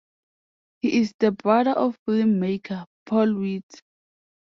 He is the brother of filmmaker Paul Weitz.